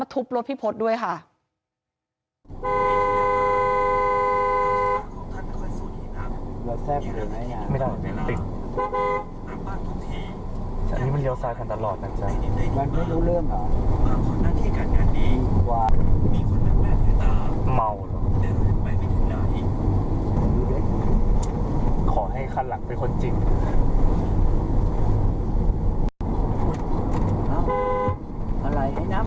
อะไรไอ้น้ำไม่บีบใช่ไหม